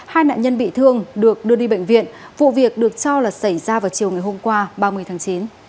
hai nạn nhân bị thương được đưa đi bệnh viện vụ việc được cho là xảy ra vào chiều ngày hôm qua ba mươi tháng chín